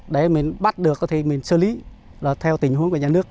để mình bắt được thì mình xử lý là theo tình huống của nhà nước